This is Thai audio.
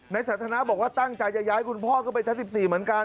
สันทนาบอกว่าตั้งใจจะย้ายคุณพ่อขึ้นไปชั้น๑๔เหมือนกัน